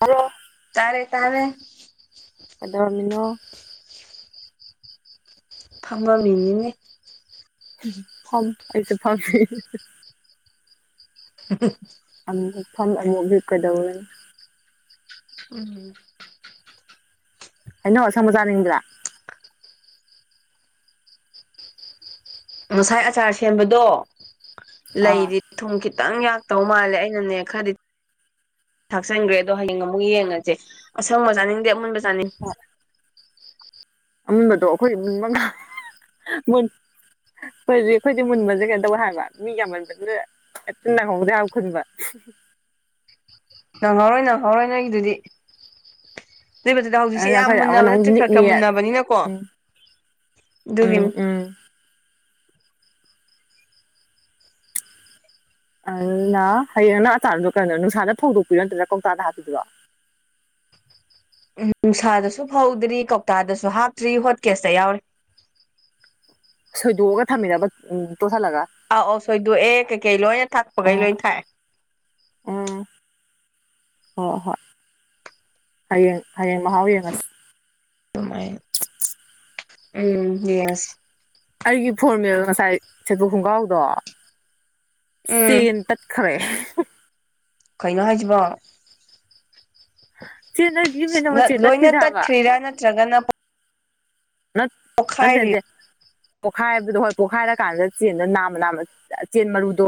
hello ꯇꯥꯔꯦ ꯇꯥꯔꯦ ꯑꯧꯔꯃꯤꯅꯣ ꯐꯝꯕꯃꯤꯅꯤꯅꯦ ꯐꯝ ꯑꯩꯁꯦ ꯐꯝ [unintelligible] ꯨꯛꯐꯝ ꯑꯃꯨꯛ ꯌꯛꯀꯗꯧꯕꯅꯤ ꯎꯝꯝ ꯍꯥꯏꯩꯅꯣ ꯁꯪꯕ ꯆꯥꯅꯤꯡꯕ꯭ꯔꯥ ꯉꯁꯥꯏ ꯑꯆꯥꯔ ꯁꯦꯝꯕꯗꯣ ꯑꯥ ꯂꯩꯔꯤ ꯊꯨꯝ ꯈꯤꯇꯪ ꯌꯥꯛꯇꯧ ꯃꯥꯜꯂꯦ ꯑꯩꯅꯅꯦ ꯈꯔꯗꯤ ꯊꯥꯛꯆꯟꯈ꯭ꯔꯦ ꯑꯗꯣ ꯍꯌꯦꯡ ꯑꯃꯨꯛ ꯌꯦꯡꯉꯁꯦ ꯑꯁꯪꯕ ꯆꯥꯅꯤꯡꯗꯦ ꯑꯃꯨꯟꯕ ꯆꯥꯅꯤꯡꯦ ꯑꯃꯟꯕꯗꯣ ꯑꯩꯈꯣꯏ ꯃꯉꯥ ꯐꯈꯣꯏꯗꯤꯦ ꯑꯩꯈꯣꯏꯗꯤ ꯃꯨꯟꯕꯁꯦ ꯀꯩꯅꯗꯧ ꯍꯥꯏꯕ ꯃꯤ ꯌꯥꯝꯃꯟꯖꯈ꯭ꯔꯦ ꯑꯠ ꯅ ꯍꯣꯗꯦ ꯍꯥꯏꯥꯎꯈꯗꯕ ꯅꯪꯍꯧꯔꯣꯏ ꯅꯪꯍꯧꯔꯣꯏ ꯅꯪꯒꯤꯗꯨꯗꯤ ꯅꯕꯗꯨꯗ ꯍꯧꯖꯤꯛꯁꯦ ꯑꯗꯨꯅ ꯌꯥꯝ ꯑꯩꯈꯣꯏ ꯃꯨꯟꯅꯕ ꯑꯃꯅ ꯑꯃꯨꯛ ꯅꯠꯇ꯭ꯔꯦ ꯈꯔ ꯅꯤꯛꯅꯤ ꯈꯔ ꯃꯨꯟꯅꯕꯅꯤꯅꯀꯣ ꯎꯝ ꯑꯗꯨꯒꯤꯅꯤ ꯎꯝ ꯎꯝ ꯑꯩꯅ ꯍꯌꯦꯡꯅ ꯑꯆꯥꯔꯗꯨꯗꯣ ꯀꯩꯅꯣꯗꯣ ꯅꯨꯡꯁꯥꯗ ꯐꯣꯡꯗꯣꯛꯄꯤꯔꯣ ꯅꯠꯇ꯭ꯔꯥ ꯀꯧꯇꯥꯗ ꯍꯥꯞꯄꯤꯔꯣ ꯎꯝ ꯅꯨꯡꯁꯥꯗꯁꯨ ꯐꯧꯗ꯭ꯔꯤ ꯀꯧꯇꯥꯗꯁꯨ ꯍꯥꯞꯇ꯭ꯔꯤ ꯍꯣꯠ ꯀꯦꯁꯇ ꯌꯥꯎꯔꯤ ꯁꯣꯏꯗꯣꯛꯑꯒ ꯊꯝꯃꯤꯅꯕ ꯇꯣꯠꯁꯤꯜꯂꯒ ꯑꯧ ꯑꯧ ꯁꯣꯏꯗꯣꯛꯑꯦ ꯀꯩꯀꯩ ꯂꯣꯏꯅ ꯊꯛꯄꯈꯩ ꯑꯥ ꯂꯣꯏ ꯊꯥꯏ ꯎꯝ ꯍꯣꯏ ꯍꯣꯏ ꯍꯌꯦꯡ ꯍꯌꯦꯡ ꯃꯍꯥꯎ ꯌꯦꯡꯉꯁꯤ ꯑꯗꯨꯃꯥꯏ ꯎꯝ ꯌꯦꯁ ꯑꯩꯒꯤ ꯐꯣꯔꯃꯦꯜ ꯉꯁꯥꯏ ꯁꯦꯕꯨ ꯈꯣꯡꯒ꯭ꯔꯥꯎꯗꯣ ꯎꯝ ꯆꯦꯟ ꯈꯔꯦ ꯀꯩꯅꯣ ꯍꯥꯏꯁꯤꯕꯣ [unintelligible] ꯆꯦꯟ ꯂꯣꯏꯅ ꯇꯠꯈꯤꯗꯦ ꯍꯥꯏꯕ ꯇꯠꯈ꯭ꯔꯤꯔꯥ ꯅꯠꯇ꯭ꯔꯒꯅ ꯅꯠ ꯅꯠꯇꯦ ꯄꯣꯛꯈꯥꯏꯔꯤ ꯅꯠꯇꯦ ꯄꯣꯛꯈꯥꯏꯕꯗꯣ ꯍꯣꯏ ꯄꯣꯛꯈꯥꯏꯔ ꯀꯥꯟꯗ ꯆꯦꯟꯗ ꯅꯥꯝꯃ ꯅꯥꯝꯃ ꯆꯦꯟ ꯃꯔꯨꯗꯣ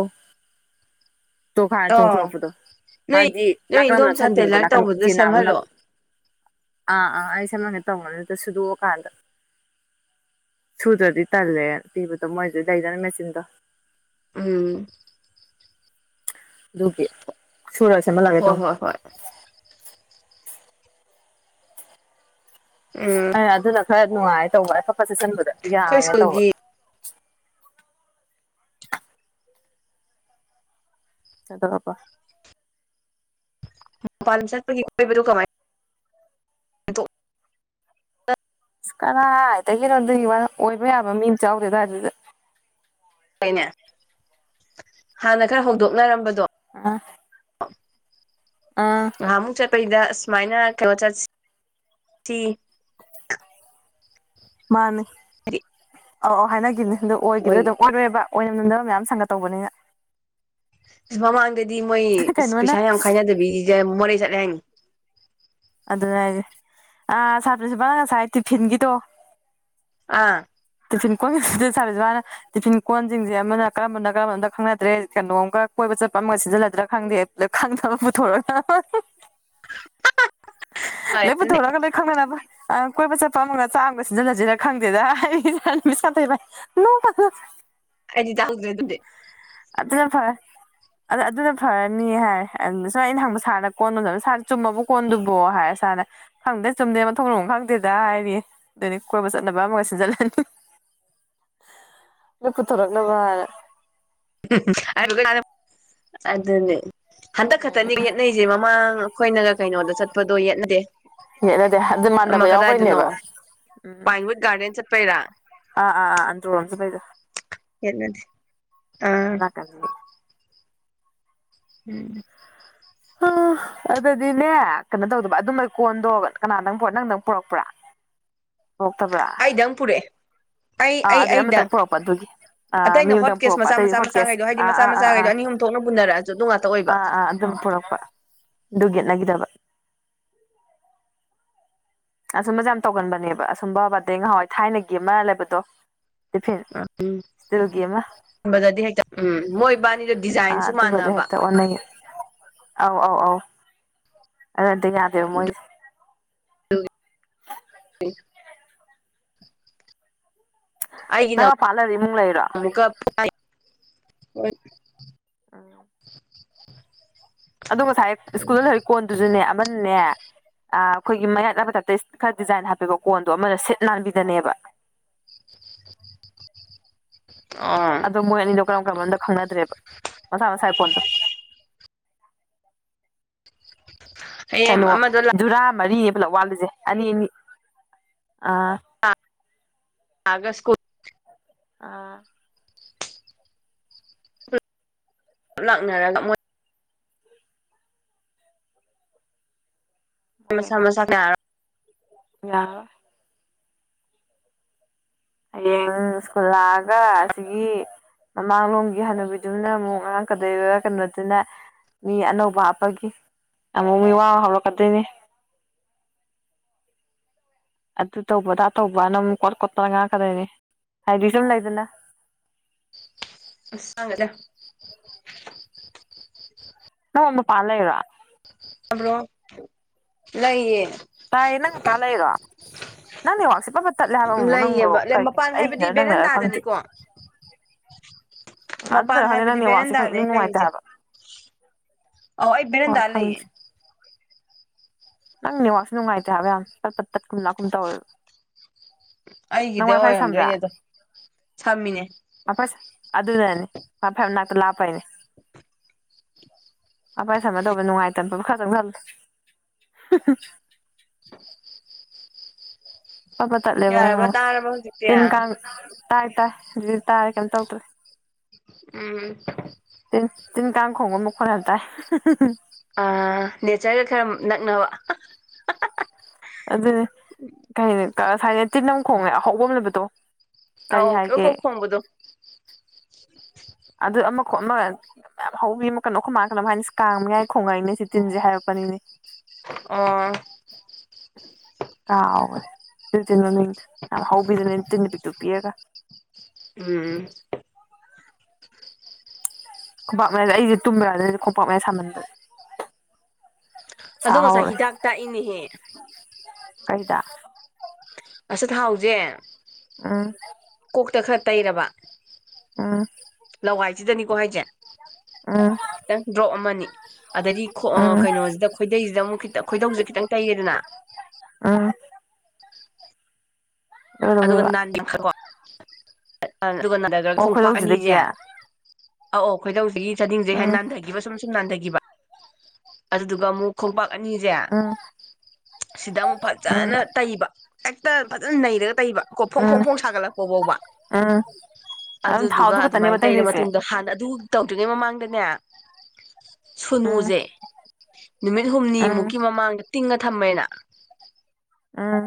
ꯇꯣꯈꯥꯏ ꯑꯣ ꯆꯣꯡꯊꯣꯛꯔꯛꯄꯗꯣ ꯅꯣꯏ ꯍꯥꯏꯕꯗꯤ ꯅꯣꯏ ꯅꯥꯀꯟ ꯑꯃꯅ ꯏꯗꯣꯝꯆꯥ ꯅꯥꯞꯁꯟꯈꯤꯕꯗꯣ ꯇꯦꯂꯔ ꯅꯥꯀꯟ ꯇꯧꯕꯗꯨ ꯆꯦꯟ ꯅꯥꯝꯃꯥ ꯅꯞ ꯁꯦꯝꯍꯜꯂꯣ ꯑꯥ ꯑꯥ ꯑꯩ ꯁꯝꯍꯟꯒꯦ ꯇꯧꯕꯅꯦ ꯑꯗꯨꯗ ꯁꯨꯗꯣꯛꯑꯀꯥꯟꯗ ꯁꯨꯗ꯭ꯔꯗꯤ ꯇꯜꯂꯦ ꯄꯤꯕꯗꯣ ꯃꯣꯏꯗꯤ ꯂꯩꯗꯅ ꯃꯦꯆꯤꯟꯗꯣ ꯎꯝ ꯑꯗꯨꯒꯤ ꯁꯨꯔꯒ ꯁꯦꯝꯍꯜꯂꯛꯑꯒꯦ ꯍꯣꯏ ꯇꯧꯉꯣ ꯍꯣꯏ ꯍꯣꯏ ꯑ ꯑꯩꯅ ꯑꯗꯨꯅ ꯈꯔ ꯅꯨꯡꯉꯥꯏ ꯇꯧꯕ ꯑꯐꯛꯄꯠ ꯆꯠꯁꯤꯟꯕꯗ ꯑꯩꯈꯣꯏ ꯌꯥꯡꯉꯦ ꯇꯧꯕ ꯁ꯭ꯀꯨꯜꯒꯤ ꯆꯠꯕ ꯄꯜ ꯆꯕꯔ ꯀꯃꯥꯏ ꯀꯅꯥ ꯍꯥꯏꯇꯥꯒꯤꯅꯣ ꯋꯥꯅ ꯑꯣꯏꯕ ꯌꯥꯕ ꯃꯤꯅ ꯆꯥꯎꯗꯦ ꯑꯗꯨꯋꯥꯏ ꯑꯗꯨꯗ ꯀꯅꯦ ꯍꯥꯟꯅ ꯈꯔ ꯍꯧꯗꯣꯛꯅꯔꯝꯕꯗꯣ ꯑ [unintelligible] ꯑꯥ ꯉꯍꯥꯟꯃꯨꯛ ꯆꯠꯄꯩꯗ ꯑꯁ ꯁꯨꯃꯥꯏꯅ ꯀꯩꯅꯣ ꯆꯠꯁꯤ ꯁꯤ ꯃꯥꯅꯤ ꯍꯥꯏꯗꯤ ꯑꯧ ꯑꯧ ꯍꯥꯏꯅꯈꯤꯕꯅꯤ ꯑꯗꯣ ꯑꯣꯏ ꯑꯣꯏꯈꯤꯗꯔꯦ ꯑꯗꯨꯝ ꯑꯣꯏꯔꯣꯏꯕ ꯑꯣꯏꯅ ꯅꯝꯗꯕꯥ ꯃꯌꯥꯝ ꯁꯪꯒꯇꯧꯕꯅꯤꯅ ꯃꯃꯥꯡꯗꯗꯤ ꯃꯣꯏ ꯀꯩꯅꯣꯅ ꯄꯩꯁꯥ ꯌꯥꯝ ꯈꯥꯏꯅꯗꯕꯤ ꯃꯣꯔꯦ ꯆꯠꯂꯦ ꯍꯥꯏꯅ ꯑꯗꯨꯅꯦ ꯍꯥꯏꯖꯦ ꯑꯥ ꯁꯥꯔ ꯄꯔꯤꯟꯁꯤꯄꯟ ꯉꯁꯥꯏ ꯇꯤꯐꯤꯟꯒꯤꯗꯣ ꯑꯥ [unintelligible] ꯇꯤꯐꯤꯟ ꯀꯣꯟꯁꯤꯡꯁꯦ ꯑꯃꯅ ꯀꯔꯝꯕꯅ ꯀꯔꯝꯕꯅꯝꯗ ꯈꯪꯅꯗ꯭ꯔꯦ ꯀꯩꯅꯣꯝꯒ ꯀꯣꯏꯕ ꯆꯠꯄ ꯑꯃꯒ ꯁꯤꯖꯤꯟꯅꯂꯗ꯭ꯔꯥ ꯈꯪꯗꯦ ꯑꯗꯨ ꯈꯪꯗꯕ ꯄꯨꯊꯣꯔꯑꯣ ꯂꯦꯏ ꯄꯨꯊꯣꯛꯔꯒ ꯂꯣꯏ ꯈꯪꯅꯅꯕ ꯑꯥ ꯀꯣꯏꯕ ꯆꯠꯄ ꯑꯃꯒ ꯆꯥꯛ ꯑꯃꯒ ꯁꯤꯖꯤꯜꯂꯁꯤꯔ ꯈꯪꯗꯦꯗ ꯑꯩ [unintelligible] ꯑꯩꯗꯤ ꯇꯥꯎꯗ꯭ꯔ ꯑꯗꯨꯗꯦ ꯑꯗꯨꯅ ꯐꯔꯦ ꯑꯗ ꯑꯗꯨꯅ ꯐꯔꯅꯤ ꯍꯥꯏꯔ ꯑꯗꯨ ꯁꯨꯝ ꯑꯩꯅ ꯍꯪꯕ ꯁꯥꯔꯒ ꯀꯣꯟꯕꯗ ꯁꯥ ꯆꯨꯝꯕꯕꯨ ꯀꯣꯟꯗꯨꯕꯨ ꯍꯥꯏ ꯁꯥꯔꯅ ꯈꯪꯗꯦ ꯆꯨꯝꯗꯦ ꯃꯊꯣꯡ ꯃꯔꯝ ꯈꯪꯗꯦꯗ ꯍꯥꯏꯔꯤ ꯑꯗꯨꯗꯤ ꯀꯣꯏꯕ ꯆꯠꯅꯕ ꯑꯃꯒ ꯁꯤꯟꯖꯜꯂꯅꯤ [unintelligible] ꯐꯄꯨꯊꯣꯔꯛꯅꯕ ꯑꯗꯨꯅꯦ ꯍꯟꯇꯛ ꯈꯛꯇꯅꯦ ꯌꯦꯠꯅꯩꯁꯦ ꯃꯃꯥꯡ ꯑꯩꯈꯣꯏꯅꯒ ꯀꯩꯅꯣꯗ ꯆꯠꯄꯗꯣ ꯌꯦꯠꯅꯗꯦ ꯑꯗꯨ ꯃꯥꯟꯅꯕ ꯌꯥꯎꯕꯩꯅꯦꯕ ꯎꯝ ꯄꯥꯏꯟꯋꯨꯠ ꯒꯥꯔꯗꯦꯟ ꯆꯠꯄꯩꯔꯥ ꯑꯥ ꯑꯥ ꯑꯥ ꯑꯟꯗꯔꯣ ꯔꯣꯝꯆꯇꯄꯩꯗꯣ ꯑꯥ [unintelligible] ꯎꯝ ꯑꯗꯨꯗꯤꯅꯦ ꯀꯩꯅꯣ ꯇꯧꯗꯕ ꯑꯗꯨꯃ ꯀꯣꯟꯗꯣ ꯀꯅꯥꯗꯪ ꯅꯪꯗꯪ ꯄꯨꯔꯛꯄ꯭ꯔꯥ [unintelligible] ꯊꯣꯛꯇꯕ꯭ꯔꯥ ꯈꯤꯇꯪ ꯄꯨꯔꯛꯑꯦ ꯑꯩ ꯑꯩ ꯑꯩꯗ ꯄꯨꯔꯛꯄ ꯑꯗꯨꯒꯤ ꯑꯥ ꯃꯤ ꯑꯇꯩꯩꯅ ꯑꯃꯇꯪ ꯍꯣꯠꯦꯁ ꯄꯨꯔꯛꯄ ꯑꯇꯩꯗꯤ ꯃꯆꯥ ꯍꯣꯠꯀꯦꯁ ꯃꯆꯥꯈꯩꯗꯣ ꯍꯥꯏꯗꯤ ꯑꯥ ꯃꯆꯥ ꯑꯥ ꯑꯥ ꯃꯆꯥꯈꯩꯗꯣ ꯑꯥ ꯑꯍꯨꯝ ꯊꯣꯛꯅ ꯄꯨꯅꯔꯛꯑꯁꯨ ꯑꯗꯨꯝ ꯉ ꯑꯥ ꯑꯥ ꯑꯗꯨꯝ ꯄꯨꯔꯛꯄ ꯌꯦꯠꯅꯈꯤꯗꯕ ꯑꯁꯨꯝꯕꯁꯦ ꯌꯥꯝ ꯇꯧꯒꯟꯕꯅꯦꯕ ꯑꯁꯨꯝꯕ ꯕꯥꯔꯗꯦ ꯉꯍꯥꯎꯋꯥꯏ ꯊꯥꯏꯅꯒꯤ ꯑꯃ ꯂꯩꯕꯗꯣ ꯐꯇꯔꯨꯒꯃ ꯕꯗꯗꯤ ꯍꯦꯛꯇ ꯎꯝ ꯃꯣꯏꯕꯥꯅꯤꯗꯣ ꯑ ꯗꯤꯖꯥꯏꯟꯁꯨ ꯑꯗꯨ ꯃꯥꯟꯅꯕ ꯃꯦꯛꯇ ꯑꯣꯟꯅꯒꯤ ꯑꯧ ꯑꯧ ꯑꯧ ꯑꯗꯨꯗꯤ ꯌꯥꯗꯦꯕ ꯃꯣꯏ ꯎ ꯑꯩꯒꯤꯅ ꯅꯪ ꯃꯄꯥꯟ ꯂꯩꯔ ꯏꯃꯨꯡ ꯂꯩꯔꯣ ꯑꯃꯨꯛꯀ ꯍꯣꯏ ꯑꯗꯣ ꯉꯁꯥꯏ ꯁ꯭ꯀꯨꯜꯗ ꯂꯩꯍꯧꯔꯤ ꯀꯣꯟꯗꯨꯁꯨꯅꯦ ꯑꯃꯅꯅꯦ ꯑ ꯑꯩꯈꯣꯏꯒꯤ ꯃꯌꯥꯠ ꯌꯥꯠꯄ ꯗꯥꯏꯄꯇꯥ ꯈꯔ ꯗꯤꯖꯥꯏꯟ ꯍꯥꯞꯄꯤꯀꯣ ꯀꯣꯟꯗꯣ ꯑꯃꯅ ꯁꯤꯠ ꯅꯥꯟꯕꯤꯗꯅꯦꯕ ꯑꯥ ꯑ ꯃꯣꯏ ꯑꯅꯤꯗꯣ ꯀꯔꯝ ꯀꯔꯝꯕꯝꯗ ꯈꯪꯅꯗ꯭ꯔꯦꯕ ꯃꯁꯥ ꯃꯁꯥꯒꯤ ꯄꯣꯟꯗꯣ [unintelligible] ꯀꯩꯅꯣ ꯑꯃꯗꯣ ꯖꯨꯔꯥ ꯃꯔꯤꯅꯦ ꯄꯨꯂꯞ ꯋꯥꯂꯤꯁꯦ ꯑꯅꯤ ꯑꯅꯤ ꯑꯥ ꯑꯒ ꯁꯀꯨ ꯑꯥ ꯂꯥꯛꯅꯔꯒ ꯃꯣꯏ ꯍꯣꯏ ꯃꯁꯥ ꯃꯁꯥ ꯀꯅꯥꯔꯣ ꯌꯥꯔ ꯍꯌꯦꯡ ꯁ꯭ꯀꯨꯜ ꯂꯥꯛꯑꯒ ꯑꯁꯤꯒꯤ ꯃꯃꯥꯡꯂꯣꯝꯒꯤ ꯍꯥꯟꯅꯕꯤꯗꯨꯃꯅ ꯑꯃꯨꯛ ꯉꯔꯥꯡ ꯀꯗꯩꯔ ꯀꯩꯅꯣꯗꯨꯅ ꯃꯤ ꯑꯅꯧꯕ ꯍꯥꯞꯄꯒꯤ ꯑꯃꯨꯛ ꯃꯤ ꯋꯥꯕ ꯍꯧꯔꯛꯀꯗꯣꯏꯅꯤ ꯑꯗꯨ ꯇꯧꯕꯗ ꯇꯧꯕꯅ ꯑꯃꯨꯛ ꯀꯣꯠ ꯈꯣꯠꯄꯅ ꯉꯥꯛꯀꯗꯣꯏꯅꯤ ꯍꯥꯏꯗꯤ ꯁꯨꯝ ꯂꯩꯗꯅ ꯆꯥꯡꯒꯗ ꯅ ꯑꯣꯅ ꯄꯜꯂ ꯏꯔ ꯭ꯔꯣ ꯂꯩꯌꯦ ꯑ ꯏꯟꯅꯉ ꯇꯂꯩꯔꯣ ꯅꯪꯅꯦꯋꯥꯛꯁꯦ ꯄꯕ ꯇꯠꯂꯦ ꯍꯥꯏꯕ ꯑꯃꯃꯨꯛ ꯅꯪꯗꯣ ꯂꯩꯌꯦꯕ ꯀꯔꯤꯒꯤꯅꯣ ꯃꯄꯥꯟ ꯑꯩꯒꯤꯅ ꯍꯥꯏꯕꯗꯤ ꯅꯪꯅꯔ ꯈꯪꯗꯦ ꯕꯦꯔꯟꯗꯥꯗꯅꯤꯀꯣ ꯃꯄꯥꯟ ꯑꯗꯨꯅꯔ ꯈꯪꯗꯦ ꯅꯪ ꯍꯥꯏꯕꯗꯤ ꯅꯦꯠꯋꯥꯛꯁꯦ ꯈꯪ ꯕꯦꯔꯦꯟꯗꯥꯅꯦ ꯑ ꯏꯅꯨꯡ ꯅꯨꯡꯉꯥꯏꯇꯦ ꯂꯩꯔꯤꯁꯦ ꯍꯥꯏꯕ ꯑꯣ ꯑꯩ ꯍꯣꯏ ꯕꯦꯔꯦꯟꯗꯥ ꯈꯪꯗꯦ ꯂꯩꯌꯦꯦ ꯅꯪꯅꯦꯋꯥꯥꯛꯁꯨ ꯅꯨꯡꯉꯥꯏꯇꯦ ꯍꯥꯏꯕ ꯌꯥꯝ ꯆꯠ ꯄꯠ ꯇꯠ ꯀꯨꯝ ꯂꯥꯛꯀꯨꯝ ꯇꯧꯋꯦꯕ ꯅꯪ ꯑꯩꯒꯤꯗ ꯋꯥꯏ ꯐꯥꯏ ꯁꯝꯕ꯭ꯔꯥ ꯑꯣꯏꯔꯝꯗꯣꯏꯅꯦ ꯑꯗꯣ ꯁꯝꯃꯤꯅꯦ ꯐꯁꯦ ꯑꯗꯨꯅꯅꯦ ꯐ ꯃꯅꯥꯛꯇ ꯂꯥꯞꯄꯩꯅꯦ ꯑꯚꯥꯏ ꯁꯃꯅ ꯇꯧꯕ ꯅꯨꯡꯉꯥꯏꯇꯅ ꯈꯖꯪ ꯈꯜꯂ [unintelligible] ꯐꯠꯄ ꯇꯠꯂꯦꯕ ꯅ ꯌꯥꯔꯕ ꯅꯍ ꯇꯥꯔꯕ ꯍꯧꯖꯤꯛꯇꯤ ꯇꯤꯟ ꯀꯥꯡ ꯇꯥꯏ ꯇꯥꯏ ꯍꯧꯖꯤꯛꯇ ꯇꯥꯏꯔꯦ ꯀꯩꯝ ꯇꯧꯗꯣꯏꯦ ꯎꯝ ꯤꯟ ꯇꯤꯟ ꯀꯥꯡ ꯈꯣꯡꯕ ꯃꯈꯣꯠ ꯍꯥꯏ ꯇꯥꯏ ꯅꯦꯆꯔꯒ ꯈꯔ ꯅꯛꯅꯕ ꯑꯗꯨꯅꯦ ꯀꯩꯅꯤ ꯁꯥꯏꯅ ꯇꯤ ꯂꯝꯝ ꯈꯣꯡꯅꯦ ꯑꯍꯧꯕꯅꯕꯗꯣ ꯑ ꯑꯣꯦꯀꯣ ꯈꯣꯡꯕꯣ ꯑꯗꯨ ꯑꯃꯈ ꯑꯃ ꯌꯥꯝꯌꯥꯝ ꯍꯧꯧꯕꯤ ꯑꯃ ꯀꯩꯅꯣꯈ ꯃꯥꯜꯂꯝ ꯍꯥꯏꯅ ꯀꯥꯡꯥꯡꯉꯏ ꯈꯣꯡꯉꯛꯏꯅꯦ ꯁꯤ ꯇꯤꯟꯁꯦ ꯍꯥꯏꯔꯛꯄꯅꯤꯅꯦ ꯑꯣ ꯀꯥꯎꯋꯦ ꯑꯗꯨ ꯇꯤꯟꯅꯣ ꯌꯥꯝ ꯍꯧꯕꯤꯗꯨꯅꯦ ꯇꯤꯟ ꯅꯨ ꯄꯤꯛꯇꯨ ꯄꯤꯔꯒ ꯎꯝ ꯈꯣꯡꯄꯥꯛ ꯃꯌꯥꯗ ꯑꯩꯁꯦ ꯇꯨꯝꯃꯤꯔꯛ ꯑꯗꯨꯩꯗꯤ ꯈꯣꯡꯄꯥꯛ ꯃꯌꯥ ꯁꯥꯝꯃꯟꯗ ꯑꯗꯣ ꯉꯁꯥꯏ ꯍꯤꯗꯥꯛ ꯇꯥꯛꯏꯅꯦꯍꯦ ꯀꯩꯗ ꯑꯆꯥ ꯊꯥꯎꯖꯦ ꯎꯝ ꯀꯣꯛꯇ ꯈꯔ ꯇꯩꯔꯕ ꯎꯝ ꯂꯋꯥꯏꯁꯤꯗꯅꯤꯀꯣ ꯍꯥꯏꯁꯦ ꯎꯝ ꯈꯤꯇꯪ ꯗ꯭ꯔꯣꯞ ꯑꯃꯅꯤ ꯑꯗꯗꯒꯤ ꯎꯝ ꯀꯩꯅꯣꯁꯤꯗ ꯈꯣꯏꯗꯩꯁꯤꯗ ꯑꯃꯨꯛ ꯈꯤ ꯈꯣꯏꯗꯧꯁꯤꯦꯗ ꯈꯤꯇꯪ ꯇꯩꯌꯦꯗꯅ ꯑ ꯑꯗꯨꯒ ꯂꯣꯏꯔꯕꯣꯕ ꯅꯥꯟꯅꯤꯡ ꯈꯔꯣ ꯑꯗꯨꯒ ꯑꯣ ꯈꯣꯡꯄꯥꯛ ꯈꯣꯏꯗꯧꯁꯤꯗꯒꯤ ꯑꯅꯤꯁꯦ ꯑꯧ ꯑꯣ ꯈꯣꯏꯗꯧꯁꯤꯒꯤ ꯆꯗꯤꯡꯁꯦ ꯍꯥꯏ ꯎꯝ ꯅꯥꯟꯊꯈꯤꯕ ꯁꯨꯝ ꯁꯨꯝ ꯅꯥꯟꯊꯈꯤꯕ ꯑꯗꯨꯗꯨꯒ ꯑꯃꯨꯛ ꯈꯣꯡꯄꯥꯛ ꯑꯅꯤꯁꯦ ꯎꯝ ꯁꯤꯗ ꯑꯃꯨꯛ ꯎꯝ ꯐꯖꯅ ꯇꯩꯕ ꯍꯦꯛꯇ ꯐꯖꯅ ꯅꯩꯔꯒ ꯇꯩꯕ ꯀꯣ ꯐꯣꯡ ꯐꯣꯡ ꯎꯝ ꯐꯣꯡ ꯁꯥꯒꯠꯂꯛꯄ ꯐꯥꯎꯕ ꯎꯝ ꯑꯗꯨꯝ ꯊꯥꯎ ꯑꯗꯨꯗꯨꯒ ꯑꯗꯨ ꯈꯛꯇꯅꯦꯕ ꯑꯗꯨꯃꯥꯏꯅ ꯇꯩꯔ ꯇꯩꯗꯣꯏꯁꯦ ꯃꯇꯨꯡꯗ ꯍꯥꯟꯅ ꯑꯗꯨ ꯇꯧꯗ꯭ꯔꯤꯉꯩ ꯃꯃꯥꯡꯗꯅꯦ ꯎꯝ ꯁꯨꯅꯨꯁꯦ ꯅꯨꯃꯤꯠ ꯎꯝ ꯍꯨꯝꯅꯤꯃꯨꯛꯀꯤ ꯃꯃꯥꯡꯗ ꯇꯤꯡꯉ ꯊꯝꯃꯦꯅ ꯑꯥ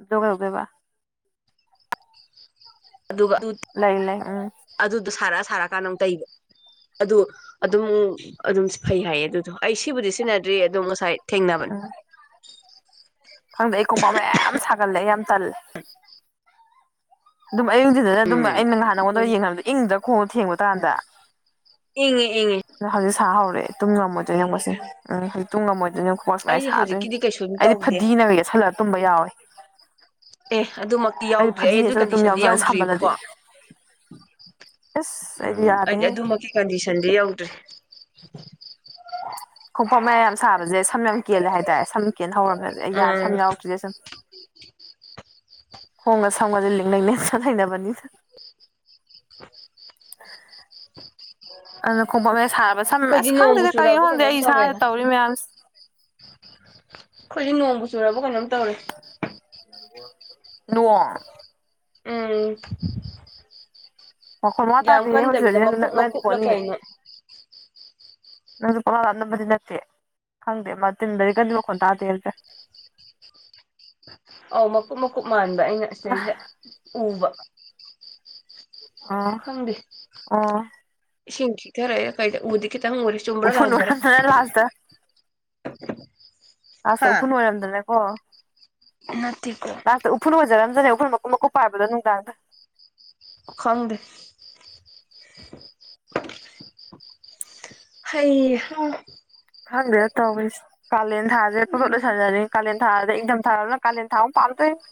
ꯑꯗꫭ ꯀꯩꯗꯧꯗꯩꯕ ꯑꯗꯨꯒ ꯑꯗꯨ ꯂꯩ ꯂꯩ ꯎꯝ ꯑꯗꯨꯗꯣ ꯁꯥꯔꯛꯑ ꯁꯥꯔꯛꯀꯥꯟꯗ ꯑꯃꯨꯛ ꯇꯩꯕ ꯑꯗꯨ ꯑꯗꯨꯝ ꯑꯗꯨꯝ ꯐꯩ ꯍꯥꯏꯌꯦ ꯑꯗꯨꯗꯣ ꯑꯩ ꯁꯤꯕꯨꯗꯤ ꯁꯤꯖꯤꯟꯅꯗ꯭ꯔꯤ ꯑꯗꯨꯝ ꯉꯁꯥꯏ ꯊꯦꯡꯅꯕꯅꯦ ꯎꯝ ꯈꯪꯗꯦ ꯑꯩꯀꯣꯄꯥ ꯃꯌꯥꯝ ꯁꯥꯒꯠꯂꯦ ꯌꯥꯝ ꯇꯜꯂꯦ ꯍ ꯑꯗꯨꯝ ꯑꯌꯤꯡꯁꯤꯗꯅ ꯑꯗꯨꯝ ꯎꯝ ꯑꯩꯅ ꯅꯍꯥꯟ ꯅꯉꯣꯟꯗ ꯌꯦꯡꯅꯕꯗ ꯏꯪꯗꯔ ꯈꯣꯡꯗ ꯊꯦꯡꯕ ꯀꯥꯟꯗ ꯏꯉꯦ ꯏꯉꯦ ꯍꯧꯖꯤꯛ ꯁꯥ ꯍꯧꯔꯦ ꯇꯨꯡ ꯉꯝꯃꯣꯏꯗꯣꯏꯅꯦ ꯌꯦꯉꯛꯁꯦ ꯎꯝ ꯍꯧꯖꯤꯛ ꯇꯨꯡꯝꯃꯣꯏꯗꯣꯏ ꯈꯕꯣꯛ ꯑꯩ ꯁꯨꯃꯥꯏꯅ ꯁꯥꯗꯣꯏꯅꯦ ꯍꯧꯖꯤꯛꯀꯤꯗꯤ ꯀꯩꯁꯨꯝ ꯑꯩꯗꯤ ꯇꯧꯗꯦ ꯐꯗꯤꯅ ꯌꯦꯁꯜꯂꯒ ꯇꯨꯝꯕ ꯌꯥꯎꯏꯦ ꯑꯦ ꯑꯗꯨꯃꯛꯇꯤ ꯑꯩꯗꯤ ꯌꯥꯎꯗ꯭ꯔꯤ ꯑꯩ ꯐꯗꯤꯅ ꯑꯗꯨꯒꯤ ꯌꯦꯠꯁꯜꯂꯒ ꯇꯨꯝ ꯀꯟꯗꯤꯁꯟꯗꯤ ꯌꯥꯎꯖꯥꯠꯅꯤ ꯌꯥꯎꯗ꯭ꯔꯤꯕꯀꯣ ꯁꯥꯃꯜꯂꯗꯤ ꯑꯁ ꯎꯝ ꯑꯩꯗꯤ ꯌꯥꯗꯦꯍꯦ ꯑꯗꯨꯃꯛꯀꯤ ꯀꯟꯗꯤꯁꯟꯗꯤ ꯌꯧꯗ꯭ꯔꯤ ꯈꯣꯡꯄꯥꯛ ꯃꯌꯥꯏ ꯌꯥꯝ ꯁꯥꯕꯁꯦ ꯁꯝ ꯌꯥꯝ ꯀꯦꯜꯂꯦ ꯍꯥꯏꯇꯥꯏ ꯁꯝ ꯀꯦꯟ ꯍꯧꯔꯕꯅ‌ꯦ ꯑꯩ ꯎꯝ ꯁꯝ ꯌꯥꯎꯗ꯭ꯔꯤꯗꯤ ꯁꯨꯝ ꯈꯣꯡꯒ ꯁꯝꯒꯁꯦ ꯂꯤꯡ ꯂꯩꯅꯕꯅꯤꯅ ꯑ ꯈꫭꯡꯄꯥꯛ ꯃꯌꯥꯏ ꯁꯔ ꯁꯝ ꯑꯩꯈꯣꯏꯗꯤ ꯑꯁ ꯅꯣꯡꯕꯨ ꯈꯪꯗꯦꯗꯤ ꯀꯔꯤ ꯆꯨꯔꯕ ꯈꯣꯗꯦ ꯀꯩꯅꯣꯝ ꯑꯩ ꯏꯁꯥꯅꯗ ꯇꯧꯋꯦꯗ ꯇꯧꯔꯤ ꯃꯌꯥꯝꯁ ꯑꯩꯈꯣꯏꯗꯤ ꯅꯣꯡꯃꯕꯨ ꯆꯨꯔꯕ ꯀꯩꯅꯣꯝ ꯇꯧꯔꯦ ꯅꫭꯡ ꯎꯝ ꯑꯣꯈꯣꯏ ꯃ ꯇꯥꯗ ꯌꯥꯝ ꯍꯧꯖꯤꯏ ꯁꯤꯗꯗꯤ ꯀꯟꯗꯕꯤꯗ ꯅꯪ ꯃꯀꯨꯞ ꯅꯛꯅꯗꯤ ꯃꯀꯨꯞꯂ ꯄꯣꯠꯅꯤ ꯀꯩꯅꯣ ꯅꯪꯁꯨ ꯄ ꯪꯂꯥꯞ ꯂꯥꯞꯅꯕꯗꯤ ꯅꯠꯇꯦ ꯈꯪꯗꯦ ꯃꯥ ꯇꯤꯟꯗꯗꯤ ꯀꯔꯤ ꯋꯥꯟ ꯇꯥꯗꯦ ꯍꯥꯏꯁꯦ ꯑ ꯃꯀꯨꯞ ꯃꯀꯨꯞ ꯃꯥꯟꯕ ꯑꯩꯅ ꯑꯁꯤꯇꯩꯁꯤꯇ ꯎꯕ ꯑꯥ ꯈꯪꯗꯦ ꯑꯣ ꯏꯁꯤꯡ ꯊꯤꯊꯔꯛꯑꯦ ꯀꯩꯗꯕꯨꯗꯤ ꯎꯗꯤ ꯈꯤꯇꯪ ꯎ‌ꯗꯤ ꯎꯐꯨꯟ ꯋꯥꯏꯐꯨꯜ ꯊꯣꯛ ꯑꯥ ꯂꯥꯁꯇ ꯑꯁ ꯎꯐꯨꯟ ꯑꯣꯏꯔꯝꯗꯅꯀꯣ ꯅꯠꯇ‌ꯦꯀꫭ ꯂꯥꯁꯇ ꯎꯐꯨꯟ ꯑꯣꯏꯖꯔꯝꯖꯔ ꯎꯐꯨꯟ ꯃꯨ ꯃꯀꯨ ꯄꯥꯏꯕꯗ ꯅꯨꯡꯗꯥꯡꯗ ꯈꯪꯗꯦ ꯍꯩꯍꯥ ꯈꯪꯗ‌ꯦꯗ ꯇꯧꯔꯤꯖ‌ꯦ ꯀꯥꯂ‌ꯦꯟ ꯊꯥ ꯄꯔꯞ ꯎꯝ ꯂꫭꯏꯁꯜꯂꯗꯤ ꯀꯥꯂꯦꯟ ꯊꯥꯔꯗ ꯏꯟꯊꯝ ꯊꯥꯅ ꯀꯥꯂꯦꯟ ꯊꯥꯎ ꯑꯃꯨꯛ ꯄꯥꯝꯇꫭꯏꯅꯤ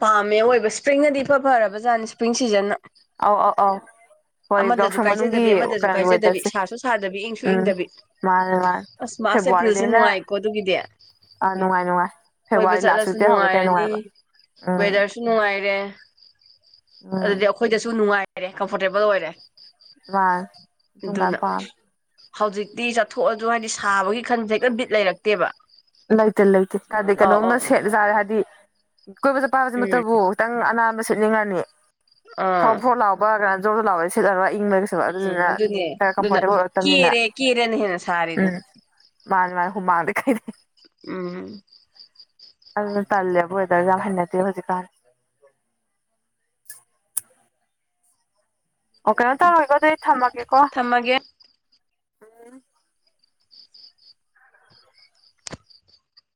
ꯄꯥꯝꯃꯦ ꯑꯣꯏꯕ ꯏꯁꯄ꯭ꯔꯤꯡꯅꯗꯤ ꯐ ꯐꯔꯕ ꯖꯥꯠꯅꯤ ꯏꯁꯄ꯭ꯔꯤꯡ ꯁꯤꯖꯟꯅ ꯑꯧ ꯑꯧ ꯑꯥꯎ ꯍꯣꯏ ꯑꯃꯗꯁꯨ ꯌꯥꯒꯎꯁꯪ ꯃꯅꯨꯡꯒꯤ ꯀꯥꯏꯖꯗꯕꯤ ꯑꯃꯗꯁꯨ ꯀꯩꯅꯣꯅꯤ ꯀꯥꯏꯖꯗꯕꯤ ꯋꯦꯗꯔꯁꯦ ꯁꯥꯁꯨ ꯁꯥꯗꯕꯤ ꯏꯪꯁꯨ ꯎꯝ ꯏꯪꯗꯕꯤ ꯃꯥꯅꯤ ꯃꯥꯅꯤ ꯑꯁ ꯃꯥꯔꯁ ꯑꯦꯄ꯭ꯔꯤꯜꯁꯦ ꯐꯦꯕꯋꯥꯔꯤꯗꯩꯅ ꯅꯨꯡꯉꯥꯏꯀꯣ ꯑꯗꯨꯒꯤꯗꯤ ꯑꯥ ꯅꯨꯡꯉꯥꯏ ꯅꯨꯡꯉꯥꯏ ꯀꯣꯏꯕ ꯐꯦꯕꯋꯥꯔꯤ ꯂꯥꯁ ꯆꯠꯂꯁꯨ ꯋꯤꯛꯇꯩ ꯍꯧꯔꯦ ꯀꯩ ꯅꯨꯡꯉꯥꯏꯕ ꯎꯝ ꯨ ꯅꯨꯡꯉꯥꯏꯔꯦ ꯎꯝ ꯑꯗꯨꯗꯤ ꯑꯩꯈꯣꯏꯗꯁꯨ ꯅꯨꯡꯉꯥꯏꯔꯦ ꯀꯝꯐꯣꯔꯇꯦꯕꯜ ꯑꯣꯏꯔꯦ ꯋꯥꯁ ꯊꯨꯡꯒꯥ ꯑꯗꯨꯅ ꯄ ꯍꯧꯖꯤꯛꯇꯤ ꯆꯠꯊꯣꯛꯑꯁꯨ ꯍꯥꯏꯗꯤ ꯁꯥꯕꯒꯤ ꯈꯟꯁꯦ ꯍꯦꯛꯇ ꯕꯤꯠ ꯂꯩꯔꯛꯇꯦꯕ ꯂꯩꯇꯦ ꯂꯩꯇꯦ ꯍꯥꯏꯗꯗꯤ ꯑꯧ ꯀꯩꯅꯣꯝꯅ ꯑꯧ ꯁꯦꯠꯂ ꯆꯥꯔꯦ ꯍꯥꯏꯗꯤ ꯀꯣꯏꯕꯗ ꯎꯝ ꯄꯥꯕꯁꯤꯃꯛꯇꯕꯨ ꯅꯪꯪ ꯑꯅꯥꯟꯕ ꯁꯤꯠꯅꯤꯡꯉꯅꯤ ꯐꯣꯔꯣ ꯑꯥ ꯐꯣꯔꯣ ꯂꯥꯎꯕ ꯀꯅ ꯖꯣꯗ ꯂꯥꯎ ꯁꯤꯠꯂꯔꯒ ꯏꯪꯕ ꯁ ꯎꯝ ꯑꯗꯨꯗꯨꯅ ꯑꯗꯨꯅꯦ ꯈꯔ ꯑꯗꯨꯅ ꯀꯝꯐꯣꯔꯇꯦꯕꯜ ꯑꯣꯏꯔꯛꯇꯕꯅꯤꯅ ꯀꯦꯔꯦ ꯀꯦꯔꯦꯅ ꯍꯦꯟꯅ ꯎꯝ ꯁꯥꯔꯤꯗꯨꯅꯤ ꯃꯥꯅꯦ ꯃꯥꯥꯏ ꯍꯨ ꯃꯥꯡꯗ ꯀꯥꯏ ꯎꯝ ꯑꯗꯨꯅ ꯇꯜꯂꯦꯕꯨ ꯌꯥꯝ ꯋ‌ꯦꯗꯔ ꯍꯩꯅꯗ‌ꯦ ꯍꯧꯖꯤꯛ ꯀꯥꯟ ꯑꯣ ꯀꯩꯅꯣ ꯇꯧꯔꯣꯏꯀꯣ ꯑꯗꯨ ꯑꯩ ꯊꯝꯃꯒꯦꯀꯣ ꯊꯝꯃꯒꯦ